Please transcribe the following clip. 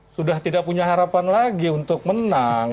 sudah tidak punya harapan lagi untuk menang